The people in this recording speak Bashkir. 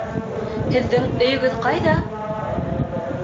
Һеҙҙең өйөгөҙ ҡайҙа?